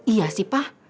iya sih pak